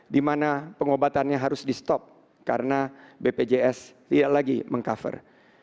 di mana pengobatannya harus di stop karena bpjs tidak lagi meng cover